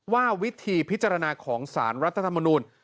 ว่าวิธีพิจารณาของสารรัฐธรรมนูล